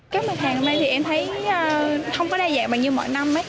các mẫu hàng hôm nay thì em thấy không có đa dạng bằng như mọi năm